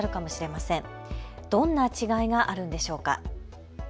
どんな違いがあるんでしょうか。